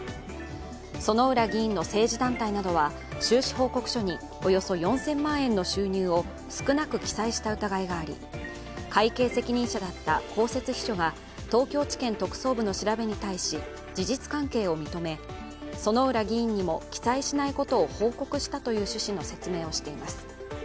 薗浦議員の政治団体などは収支報告書におよそ４０００万円の収入を少なく記載した疑いがあり会計責任者だった公設秘書が東京地検特捜部の調べに対し事実関係を認め、薗浦議員にも記載しないことを報告したという趣旨の説明をしています。